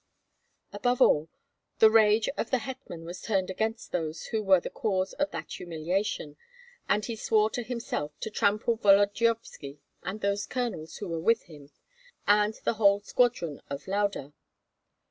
Above all, the rage of the hetman was turned against those who were the cause of that humiliation, and he swore to himself to trample Volodyovski and those colonels who were with him and the whole squadron of Lauda.